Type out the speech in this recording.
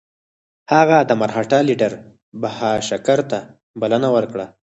هغه د مرهټه لیډر بهاشکر ته بلنه ورکړه.